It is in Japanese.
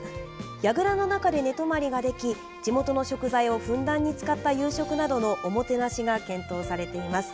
櫓の中で寝泊まりができ地元の食材をふんだんに使った夕食などのおもてなしが検討されています。